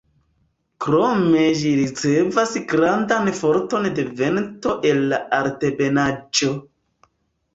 Krome ĝi ricevas grandan forton de vento el la Altebenaĵo.